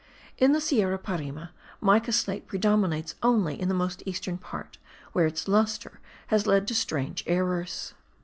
In the Sierra Parime, mica slate predominates only in the most eastern part, where its lustre has led to strange errors.